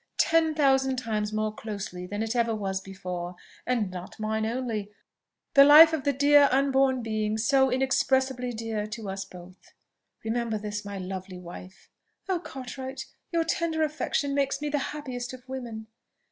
ten thousand times more closely than it ever was before: and not mine only, the life of the dear unborn being so inexpressibly dear to us both. Remember this, my lovely wife!" "Oh, Cartwright! your tender affection makes me the happiest of women.